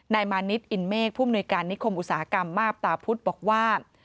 มานิดอินเมฆผู้มนุยการนิคมอุตสาหกรรมมาบตาพุทธบอกว่า